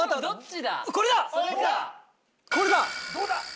どっちだ？